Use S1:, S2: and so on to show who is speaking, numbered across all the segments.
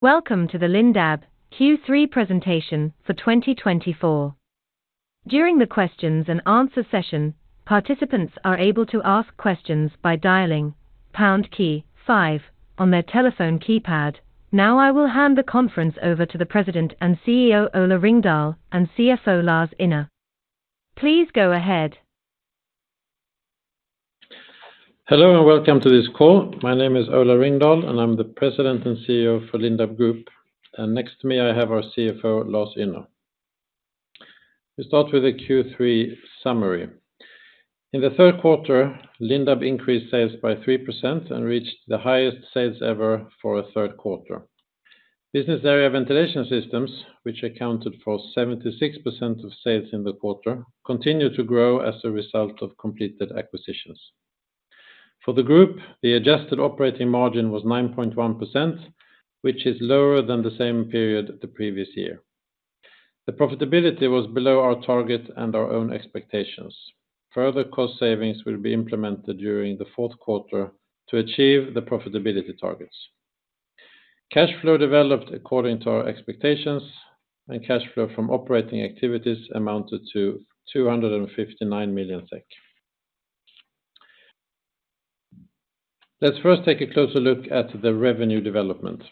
S1: Welcome to the Lindab Q3 presentation for 2024. During the questions and answer session, participants are able to ask questions by dialing pound key five on their telephone keypad. Now, I will hand the conference over to the President and CEO, Ola Ringdahl, and CFO, Lars Ynner. Please go ahead.
S2: Hello, and welcome to this call. My name is Ola Ringdahl, and I'm the President and CEO for Lindab Group, and next to me, I have our CFO, Lars Ynner. We start with the Q3 summary. In the third quarter, Lindab increased sales by 3% and reached the highest sales ever for a third quarter. Business area Ventilation Systems, which accounted for 76% of sales in the quarter, continued to grow as a result of completed acquisitions. For the group, the adjusted operating margin was 9.1%, which is lower than the same period the previous year. The profitability was below our target and our own expectations. Further cost savings will be implemented during the fourth quarter to achieve the profitability targets. Cash flow developed according to our expectations, and cash flow from operating activities amounted to 259 million SEK. Let's first take a closer look at the revenue development.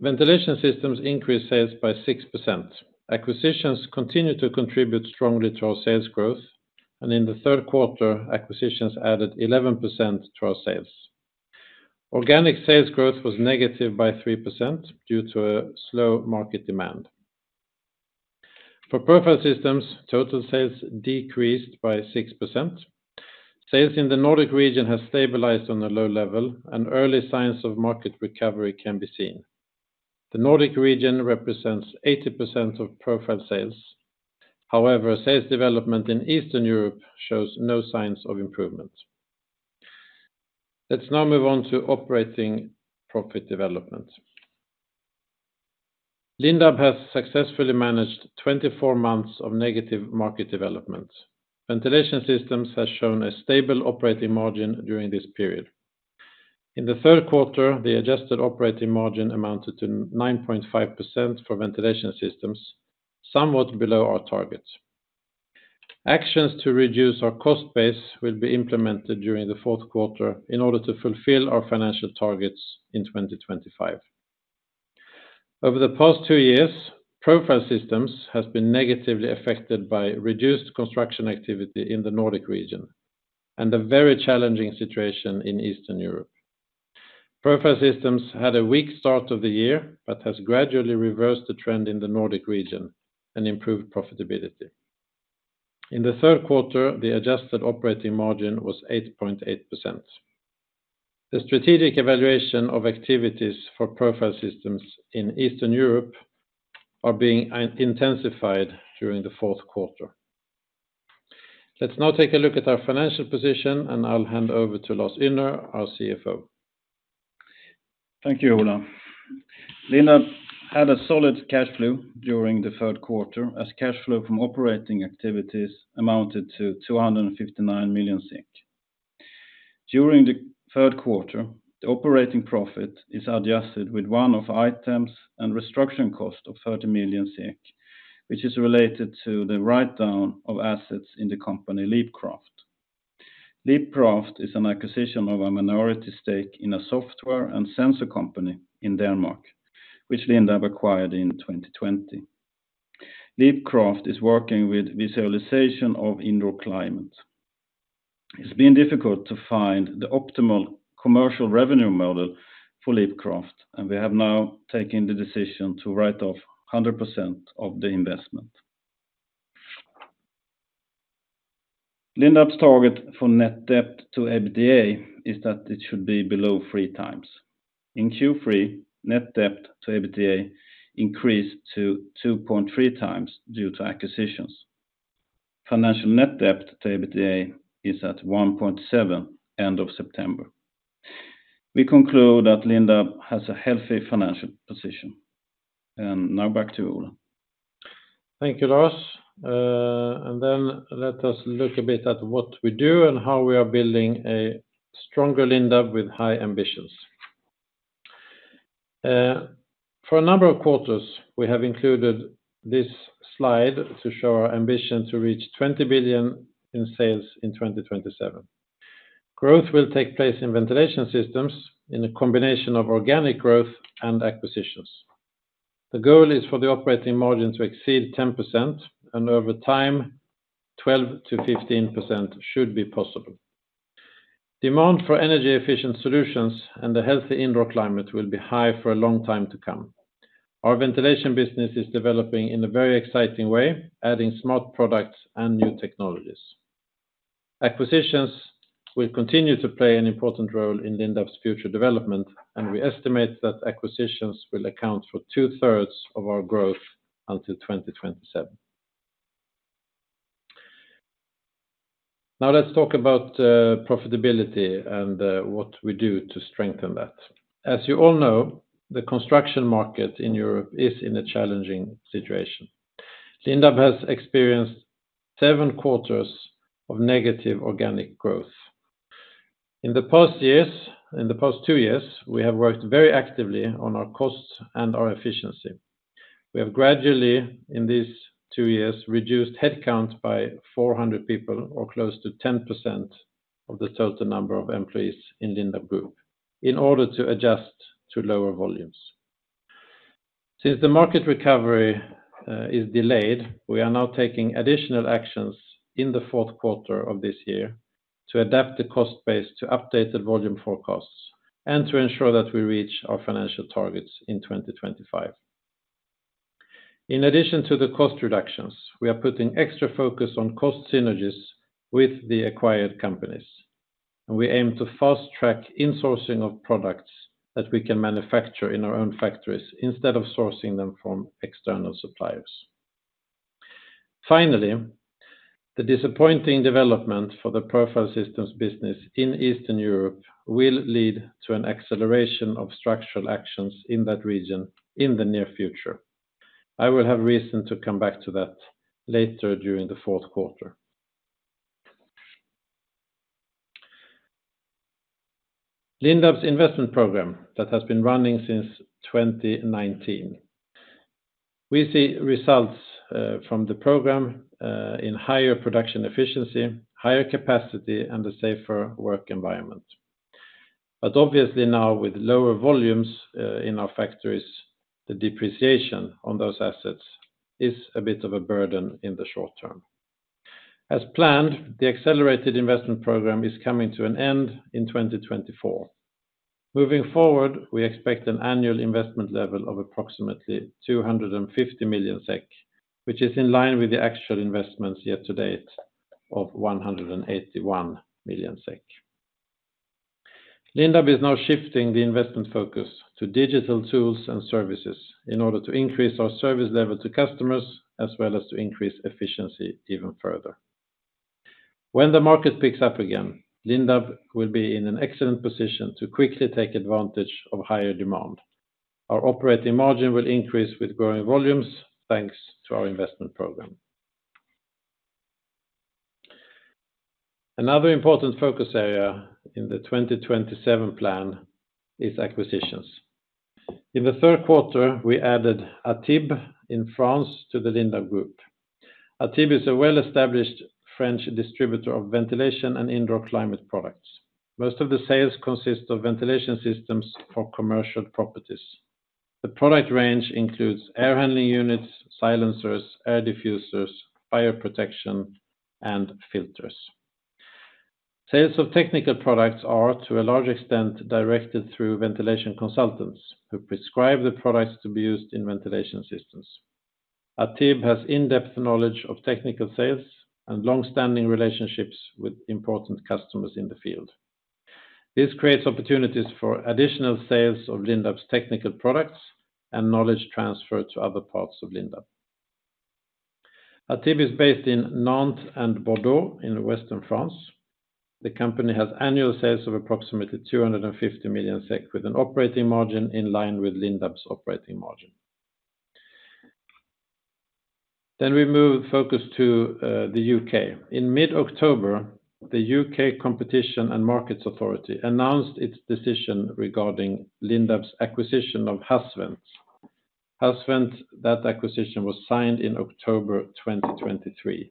S2: Ventilation Systems increased sales by 6%. Acquisitions continue to contribute strongly to our sales growth, and in the third quarter, acquisitions added 11% to our sales. Organic sales growth was negative by 3% due to a slow market demand. For Profile Systems, total sales decreased by 6%. Sales in the Nordic region has stabilized on a low level, and early signs of market recovery can be seen. The Nordic region represents 80% of profile sales. However, sales development in Eastern Europe shows no signs of improvement. Let's now move on to operating profit development. Lindab has successfully managed 24 months of negative market development. Ventilation Systems have shown a stable operating margin during this period. In the third quarter, the adjusted operating margin amounted to 9.5% for Ventilation Systems, somewhat below our target. Actions to reduce our cost base will be implemented during the fourth quarter in order to fulfill our financial targets in 2025. Over the past two years, Profile Systems has been negatively affected by reduced construction activity in the Nordic region and a very challenging situation in Eastern Europe. Profile Systems had a weak start of the year, but has gradually reversed the trend in the Nordic region and improved profitability. In the third quarter, the adjusted operating margin was 8.8%. The strategic evaluation of activities for Profile Systems in Eastern Europe are being intensified during the fourth quarter. Let's now take a look at our financial position, and I'll hand over to Lars Ynner, our CFO.
S3: Thank you, Ola. Lindab had a solid cash flow during the third quarter, as cash flow from operating activities amounted to 259 million. During the third quarter, the operating profit is adjusted with one-off items and restructuring cost of 30 million SEK, which is related to the write-down of assets in the company, Leapcraft. Leapcraft is an acquisition of a minority stake in a software and sensor company in Denmark, which Lindab acquired in 2020. Leapcraft is working with visualization of indoor climate. It's been difficult to find the optimal commercial revenue model for Leapcraft, and we have now taken the decision to write off 100% of the investment. Lindab's target for net debt to EBITDA is that it should be below 3 times. In Q3, net debt to EBITDA increased to 2.3 times due to acquisitions. Financial net debt to EBITDA is at 1.7, end of September. We conclude that Lindab has a healthy financial position. And now back to Ola.
S2: Thank you, Lars, and then let us look a bit at what we do and how we are building a stronger Lindab with high ambitions. For a number of quarters, we have included this slide to show our ambition to reach 20 billion in sales in 2027. Growth will take place in Ventilation Systems in a combination of organic growth and acquisitions. The goal is for the operating margin to exceed 10%, and over time, 12%-15% should be possible. Demand for energy-efficient solutions and the healthy indoor climate will be high for a long time to come. Our ventilation business is developing in a very exciting way, adding smart products and new technologies. Acquisitions will continue to play an important role in Lindab's future development, and we estimate that acquisitions will account for two-thirds of our growth until 2027. Now, let's talk about profitability and what we do to strengthen that. As you all know, the construction market in Europe is in a challenging situation. Lindab has experienced seven quarters of negative organic growth. In the past years, in the past two years, we have worked very actively on our costs and our efficiency. We have gradually, in these two years, reduced headcount by 400 people, or close to 10% of the total number of employees in Lindab Group, in order to adjust to lower volumes. Since the market recovery is delayed, we are now taking additional actions in the fourth quarter of this year to adapt the cost base to updated volume forecasts, and to ensure that we reach our financial targets in 2025. In addition to the cost reductions, we are putting extra focus on cost synergies with the acquired companies, and we aim to fast-track insourcing of products that we can manufacture in our own factories instead of sourcing them from external suppliers. Finally, the disappointing development for the Profile Systems business in Eastern Europe will lead to an acceleration of structural actions in that region in the near future. I will have reason to come back to that later during the fourth quarter. Lindab's investment program that has been running since 2019, we see results from the program in higher production efficiency, higher capacity, and a safer work environment. But obviously now, with lower volumes in our factories, the depreciation on those assets is a bit of a burden in the short term. As planned, the accelerated investment program is coming to an end in 2024. Moving forward, we expect an annual investment level of approximately 250 million SEK, which is in line with the actual investments year to date of 181 million SEK. Lindab is now shifting the investment focus to digital tools and services in order to increase our service level to customers, as well as to increase efficiency even further. When the market picks up again, Lindab will be in an excellent position to quickly take advantage of higher demand. Our operating margin will increase with growing volumes, thanks to our investment program. Another important focus area in the 2027 plan is acquisitions. In the third quarter, we added ATIB in France to the Lindab Group. ATIB is a well-established French distributor of ventilation and indoor climate products. Most of the sales consist of Ventilation Systems for commercial properties. The product range includes air handling units, silencers, air diffusers, fire protection, and filters. Sales of technical products are, to a large extent, directed through ventilation consultants, who prescribe the products to be used in Ventilation Systems. ATIB has in-depth knowledge of technical sales and long-standing relationships with important customers in the field. This creates opportunities for additional sales of Lindab's technical products and knowledge transfer to other parts of Lindab. ATIB is based in Nantes and Bordeaux in western France. The company has annual sales of approximately 250 million SEK, with an operating margin in line with Lindab's operating margin. Then we move focus to, the U.K. In mid-October, the U.K. Competition and Markets Authority announced its decision regarding Lindab's acquisition of HAS-Vent. HAS-Vent, that acquisition was signed in October 2023.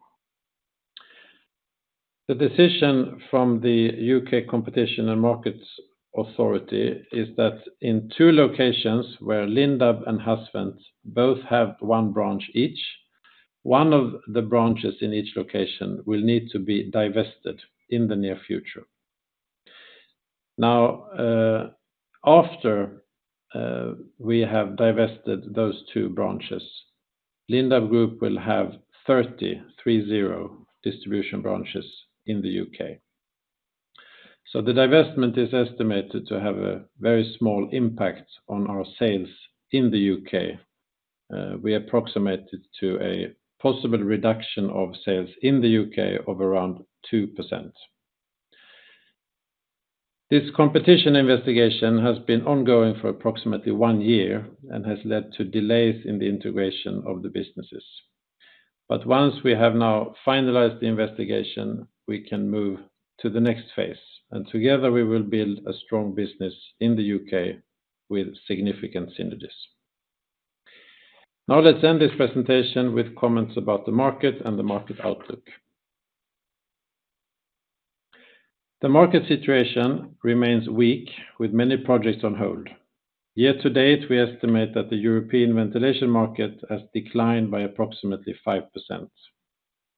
S2: The decision from the U.K. Competition and Markets Authority is that in two locations where Lindab and HAS-Vent both have one branch each, one of the branches in each location will need to be divested in the near future. Now, after, we have divested those two branches, Lindab Group will have 330 distribution branches in the U.K. So the divestment is estimated to have a very small impact on our sales in the U.K. We approximate it to a possible reduction of sales in the U.K. of around 2%. This competition investigation has been ongoing for approximately one year and has led to delays in the integration of the businesses, but once we have now finalized the investigation, we can move to the next phase, and together, we will build a strong business in the U.K. with significant synergies. Now, let's end this presentation with comments about the market and the market outlook. The market situation remains weak, with many projects on hold. Year to date, we estimate that the European ventilation market has declined by approximately 5%,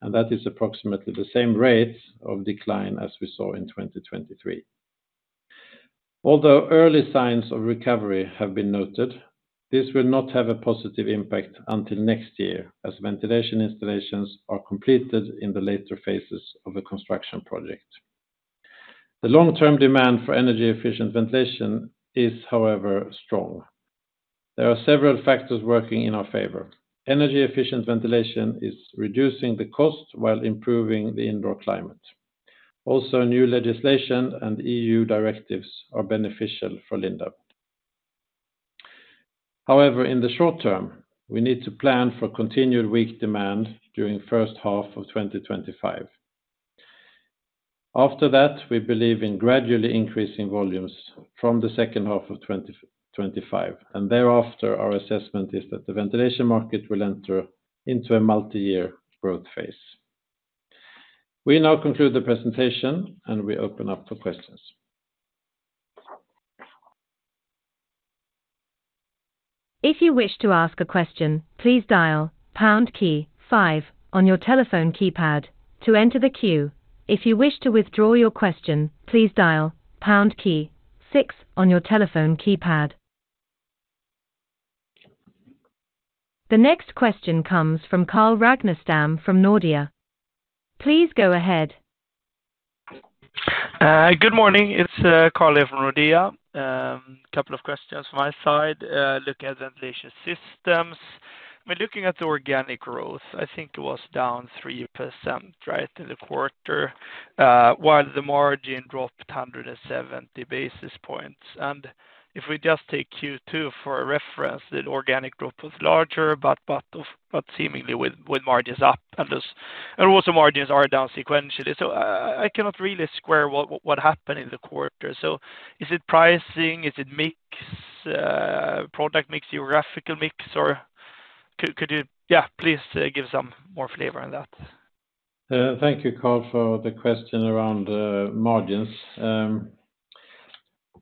S2: and that is approximately the same rate of decline as we saw in 2023. Although early signs of recovery have been noted, this will not have a positive impact until next year, as ventilation installations are completed in the later phases of a construction project. The long-term demand for energy-efficient ventilation is, however, strong. There are several factors working in our favor. Energy-efficient ventilation is reducing the cost while improving the indoor climate. Also, new legislation and EU directives are beneficial for Lindab.... However, in the short term, we need to plan for continued weak demand during first half of 2025. After that, we believe in gradually increasing volumes from the second half of 2025, and thereafter, our assessment is that the ventilation market will enter into a multi-year growth phase. We now conclude the presentation, and we open up for questions.
S1: If you wish to ask a question, please dial pound key five on your telephone keypad to enter the queue. If you wish to withdraw your question, please dial pound key six on your telephone keypad. The next question Carl Ragner Stam from nordea. Please go ahead.
S4: Good morning. It's Carl from Nordea. A couple of questions my side, looking at Ventilation Systems. We're looking at the organic growth, I think it was down 3%, right, in the quarter, while the margin dropped 170 basis points. And if we just take Q2 for a reference, the organic growth was larger, but seemingly with margins up and those and also margins are down sequentially. So I cannot really square what happened in the quarter. So is it pricing? Is it mix, product mix, geographical mix, or could you please give some more flavor on that.
S2: Thank you, Carl, for the question around margins.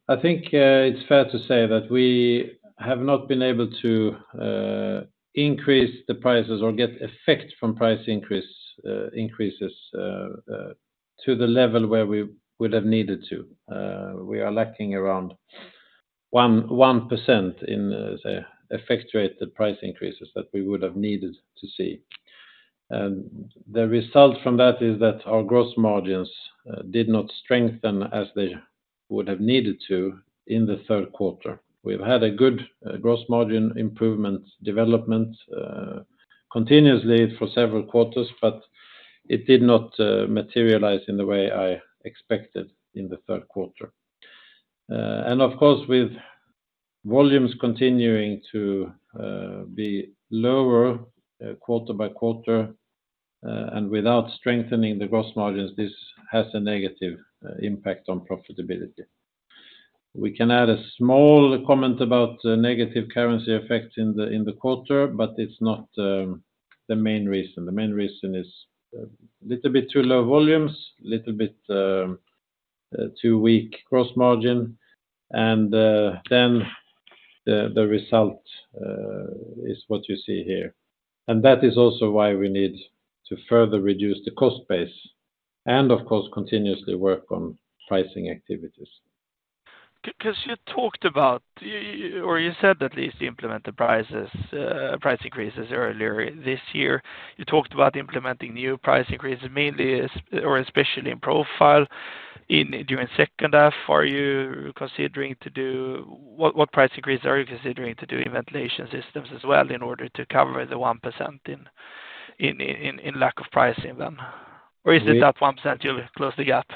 S2: I think it's fair to say that we have not been able to increase the prices or get effect from price increases to the level where we would have needed to. We are lacking around 1% in effectuate the price increases that we would have needed to see. The result from that is that our gross margins did not strengthen as they would have needed to in the third quarter. We've had a good gross margin improvement development continuously for several quarters, but it did not materialize in the way I expected in the third quarter. And of course, with volumes continuing to be lower quarter by quarter, and without strengthening the gross margins, this has a negative impact on profitability. We can add a small comment about the negative currency effect in the quarter, but it's not the main reason. The main reason is little bit too low volumes, little bit too weak gross margin, and then the result is what you see here. And that is also why we need to further reduce the cost base and of course, continuously work on pricing activities.
S4: 'Cause you talked about, or you said at least implement the prices, price increases earlier this year. You talked about implementing new price increases, mainly or especially in Profile during second half. Are you considering to do what price increase are you considering to do in Ventilation Systems as well in order to cover the 1% in lack of pricing then?
S2: We-
S4: Or is it that 1% you'll close the gap?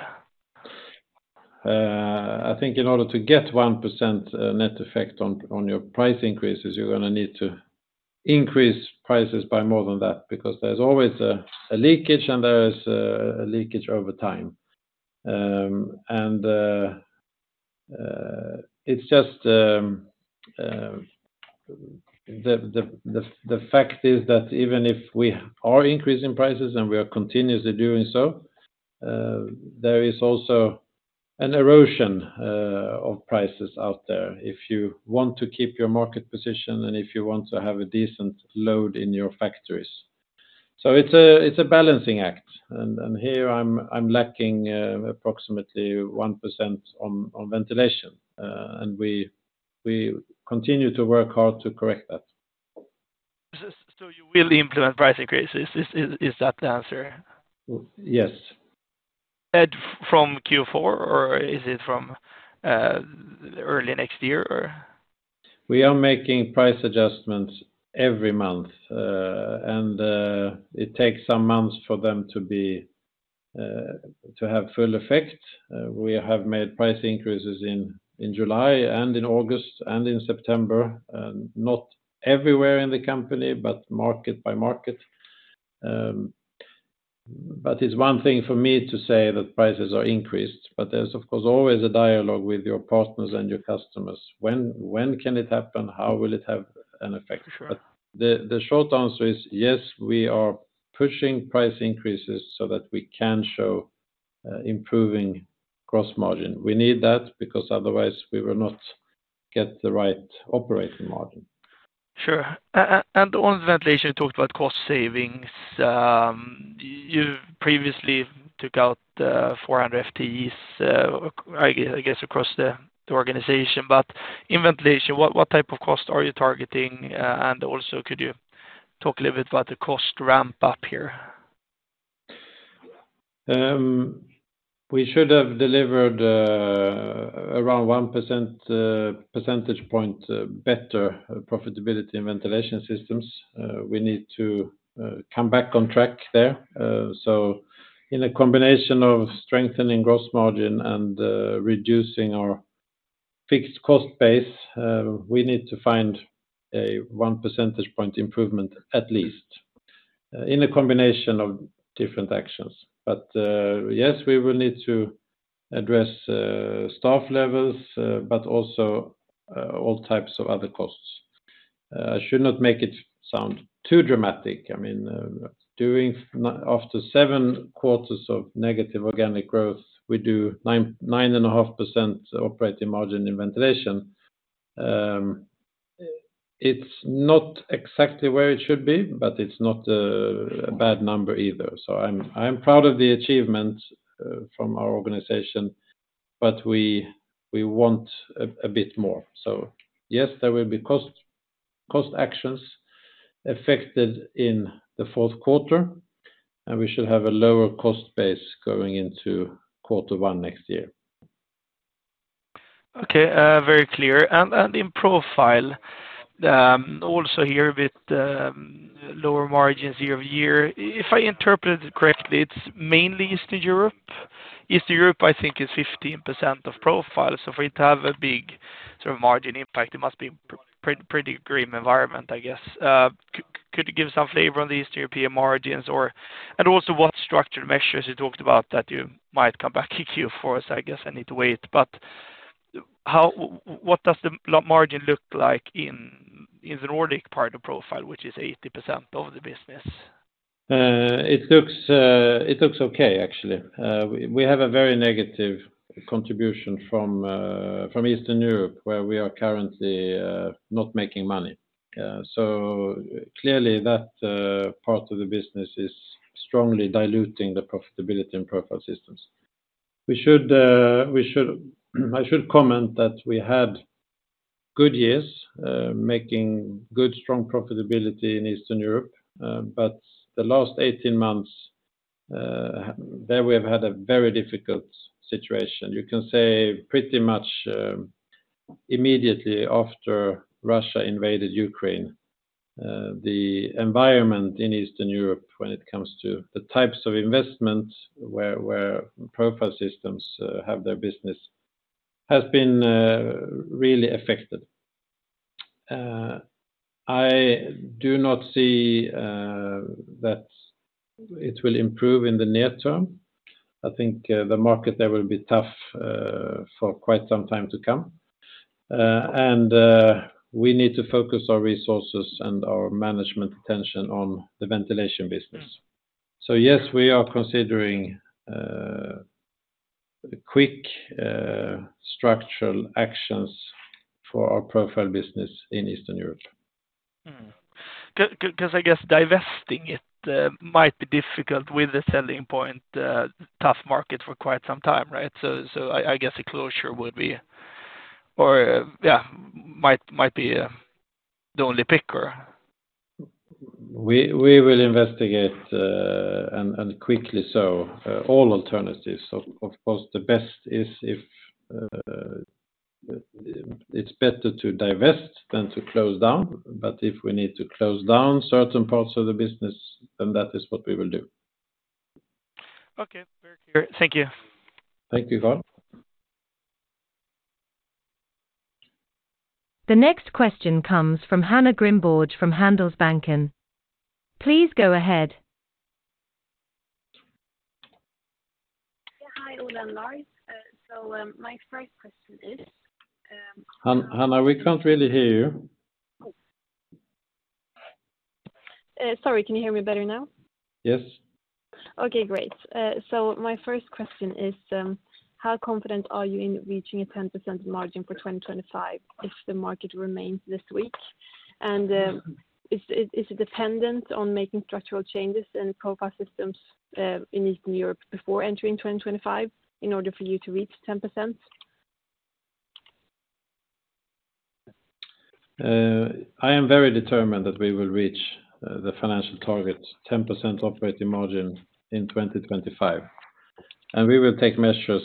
S2: I think in order to get 1% net effect on your price increases, you're gonna need to increase prices by more than that, because there's always a leakage, and there is a leakage over time, and it's just the fact is that even if we are increasing prices, and we are continuously doing so, there is also an erosion of prices out there, if you want to keep your market position and if you want to have a decent load in your factories, so it's a balancing act, and here I'm lacking approximately 1% on ventilation, and we continue to work hard to correct that.
S4: You will implement price increases? Is that the answer?
S2: Yes.
S4: And from Q4, or is it from early next year, or?
S2: We are making price adjustments every month, and it takes some months for them to have full effect. We have made price increases in July and in August and in September, and not everywhere in the company, but market by market. But it's one thing for me to say that prices are increased, but there's, of course, always a dialogue with your partners and your customers. When can it happen? How will it have an effect?
S4: Sure.
S2: The short answer is, yes, we are pushing price increases so that we can show improving gross margin. We need that because otherwise we will not get the right operating margin.
S4: Sure. And on ventilation, you talked about cost savings. You previously took out four hundred FTEs, I guess, across the organization, but in ventilation, what type of cost are you targeting? And also could you talk a little bit about the cost ramp up here?
S2: We should have delivered around one percentage point better profitability in Ventilation Systems. We need to come back on track there. So in a combination of strengthening gross margin and reducing our fixed cost base, we need to find a one percentage point improvement, at least, in a combination of different actions. But yes, we will need to address staff levels, but also all types of other costs. I should not make it sound too dramatic. I mean, doing after seven quarters of negative organic growth, we do nine, nine and a half % operating margin in ventilation. It's not exactly where it should be, but it's not a bad number either. So I'm proud of the achievement from our organization, but we want a bit more. So yes, there will be cost actions affected in the fourth quarter, and we should have a lower cost base going into quarter one next year.
S4: Okay, very clear. And, and in Profile, also here with lower margins year over year, if I interpret it correctly, it's mainly Eastern Europe? Eastern Europe, I think, is 15% of Profile, so for it to have a big sort of margin impact, it must be pretty grim environment, I guess. Could you give some flavor on the Eastern European margins or... And also what structural measures you talked about that you might come back in Q4, so I guess I need to wait. But what does the margin look like in the Nordic part of Profile, which is 80% of the business?
S2: It looks okay, actually. We have a very negative contribution from Eastern Europe, where we are currently not making money, so clearly, that part of the business is strongly diluting the profitability and Profile Systems. We should, I should comment that we had good years making good, strong profitability in Eastern Europe, but the last eighteen months there we have had a very difficult situation. You can say pretty much immediately after Russia invaded Ukraine, the environment in Eastern Europe, when it comes to the types of investments where Profile Systems have their business, has been really affected. I do not see that it will improve in the near term. I think the market there will be tough for quite some time to come. We need to focus our resources and our management attention on the ventilation business. So yes, we are considering quick structural actions for our profile business in Eastern Europe.
S4: Cause I guess divesting it might be difficult with the selling point, tough market for quite some time, right? So I guess a closure would be, or, yeah, might be the only option.
S2: We will investigate and quickly so all alternatives. Of course, the best is if it's better to divest than to close down, but if we need to close down certain parts of the business, then that is what we will do.
S4: Okay. Very clear. Thank you.
S2: Thank you, Carl.
S1: The next question comes from Hanna Grimborg, from Handelsbanken. Please go ahead.
S5: Yeah, hi, Ola and Lars. So, my first question is,
S2: Hanna, we can't really hear you.
S5: Oh. Sorry, can you hear me better now?
S2: Yes.
S5: Okay, great. So my first question is, how confident are you in reaching a 10% margin for 2025 if the market remains this weak? And is it dependent on making structural changes in Profile Systems, in Eastern Europe before entering 2025, in order for you to reach 10%?
S2: I am very determined that we will reach the financial target, 10% operating margin in 2025. We will take measures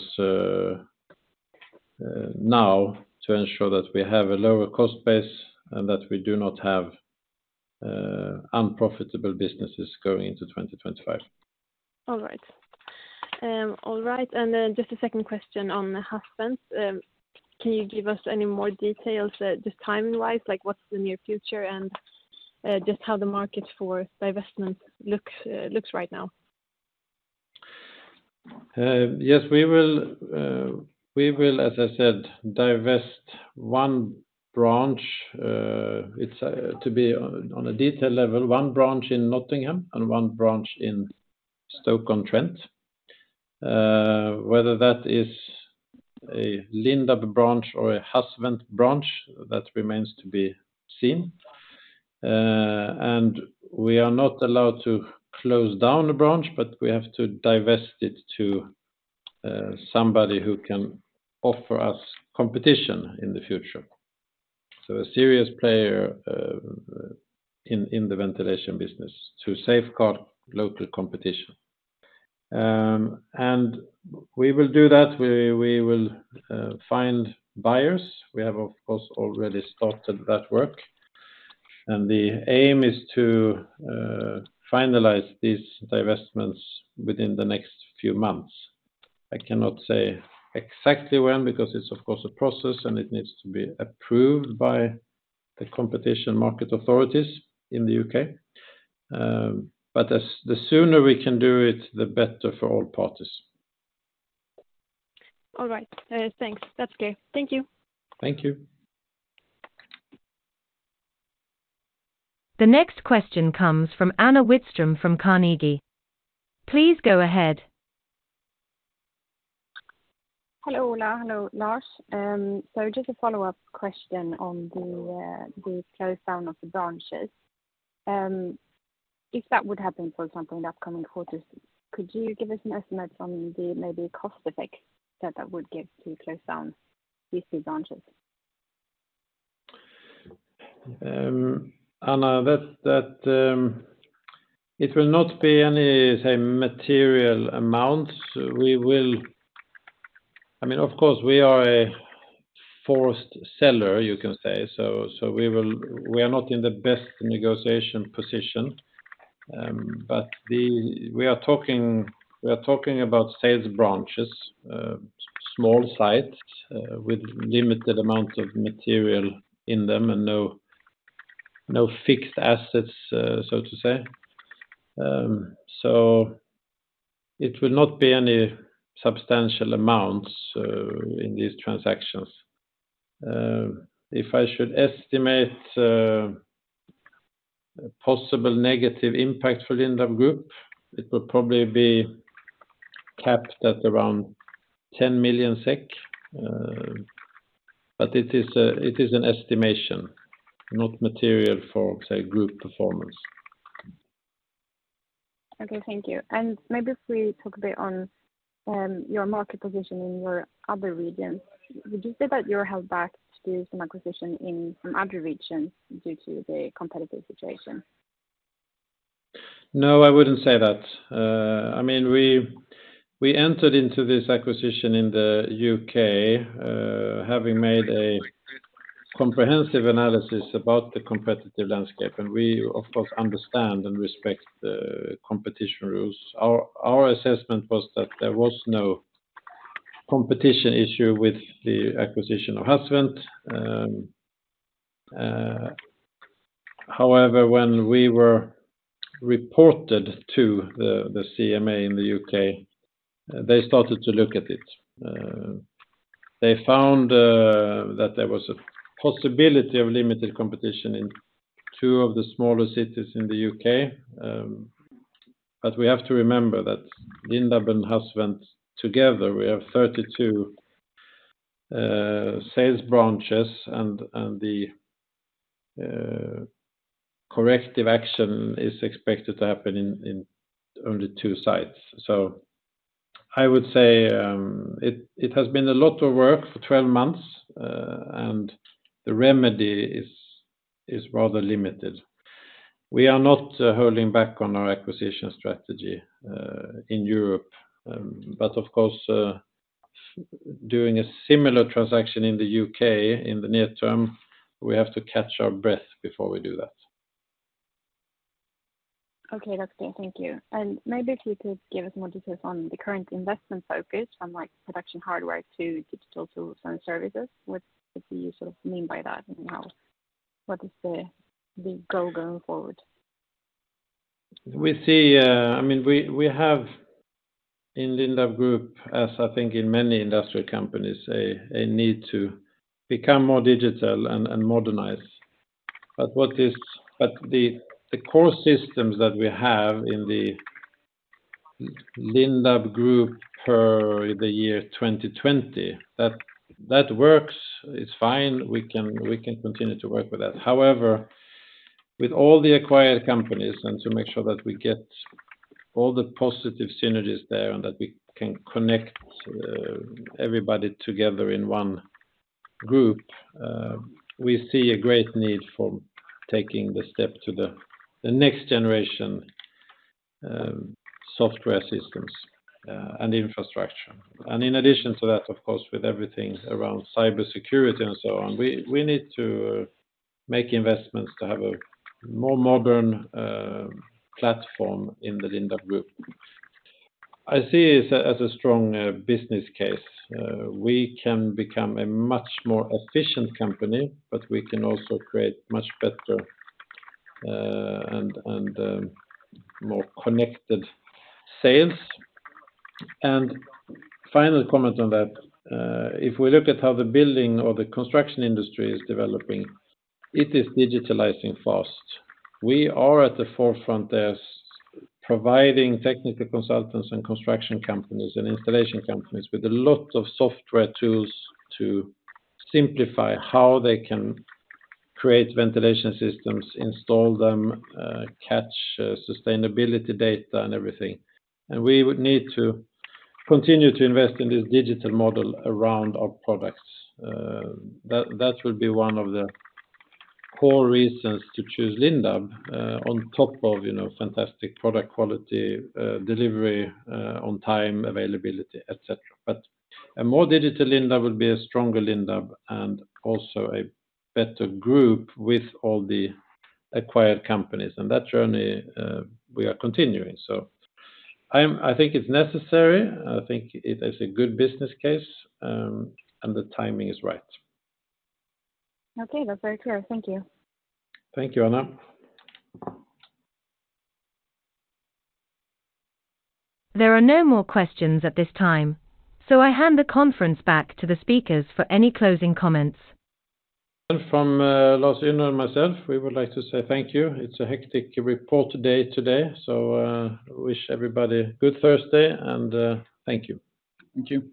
S2: now to ensure that we have a lower cost base and that we do not have unprofitable businesses going into 2025.
S5: All right, and then just a second question on HAS-Vent. Can you give us any more details, just timing-wise, like, what's the near future, and just how the market for divestment looks right now?
S2: Yes, we will, as I said, divest one branch. It's to be on a detail level, one branch in Nottingham and one branch in Stoke-on-Trent. Whether that is a Lindab branch or a HAS-Vent branch, that remains to be seen, and we are not allowed to close down the branch, but we have to divest it to somebody who can offer us competition in the future, so a serious player in the ventilation business, to safeguard local competition, and we will do that, we will find buyers. We have, of course, already started that work, and the aim is to finalize these divestments within the next few months. I cannot say exactly when, because it's, of course, a process, and it needs to be approved by the Competition and Markets Authority in the U.K. but the sooner we can do it, the better for all parties.
S5: All right. Thanks. That's clear. Thank you.
S2: Thank you.
S1: The next question comes from Anna Widström from Carnegie. Please go ahead.
S6: Hello, Ola. Hello, Lars, so just a follow-up question on the close down of the branches. If that would happen, for example, in the upcoming quarters, could you give us an estimate on the maybe cost effect that that would give to close down these two branches?
S2: Anna, that it will not be any, say, material amounts. We will, I mean, of course, we are a forced seller, you can say, so we will, we are not in the best negotiation position, but we are talking about sales branches, small sites with limited amount of material in them and no fixed assets, so to say. It will not be any substantial amounts in these transactions. If I should estimate a possible negative impact for Lindab Group, it will probably be capped at around 10 million SEK, but it is an estimation, not material for, say, group performance.
S6: Okay, thank you, and maybe if we talk a bit on your market position in your other regions. Would you say that you're held back to do some acquisition in some other regions due to the competitive situation?
S2: No, I wouldn't say that. I mean, we entered into this acquisition in the U.K., having made a comprehensive analysis about the competitive landscape, and we, of course, understand and respect the competition rules. Our assessment was that there was no competition issue with the acquisition of HAS-Vent. However, when we were reported to the CMA in the U.K., they started to look at it. They found that there was a possibility of limited competition in two of the smaller cities in the U.K. But we have to remember that Lindab and HAS-Vent together, we have 32 sales branches, and the corrective action is expected to happen in only two sites. So I would say it has been a lot of work for 12 months, and the remedy is rather limited. We are not holding back on our acquisition strategy in Europe, but of course, doing a similar transaction in the U.K. in the near term, we have to catch our breath before we do that.
S6: Okay, that's clear. Thank you. And maybe if you could give us more details on the current investment focus on, like, production hardware to digital tools and services. What, what do you sort of mean by that, and how, what is the, the goal going forward?
S2: We see, I mean, we have in Lindab Group, as I think in many industrial companies, a need to become more digital and modernized, but the core systems that we have in the Lindab Group per the year 2020, that works, it's fine. We can continue to work with that. However, with all the acquired companies, and to make sure that we get all the positive synergies there, and that we can connect everybody together in one group, we see a great need for taking the step to the next generation software systems and infrastructure, and in addition to that, of course, with everything around cybersecurity and so on, we need to make investments to have a more modern platform in the Lindab Group. I see it as a strong business case. We can become a much more efficient company, but we can also create much better and more connected sales. Final comment on that, if we look at how the building or the construction industry is developing, it is digitalizing fast. We are at the forefront as providing technical consultants and construction companies and installation companies with a lot of software tools to simplify how they can create Ventilation Systems, install them, catch sustainability data and everything. We would need to continue to invest in this digital model around our products. That would be one of the core reasons to choose Lindab, on top of, you know, fantastic product quality, delivery on time, availability, et cetera. But a more digital Lindab would be a stronger Lindab, and also a better group with all the acquired companies, and that journey, we are continuing. So I think it's necessary, I think it is a good business case, and the timing is right.
S6: Okay, that's very clear. Thank you.
S2: Thank you, Anna.
S1: There are no more questions at this time, so I hand the conference back to the speakers for any closing comments.
S2: From Lars Ynner and myself, we would like to say thank you. It's a hectic report day today, so wish everybody a good Thursday, and thank you.
S3: Thank you.